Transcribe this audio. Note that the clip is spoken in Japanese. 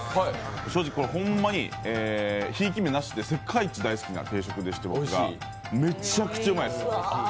正直、これほんまにひいき目なしで世界一大好きな定食でしてめちゃくちゃうまいです。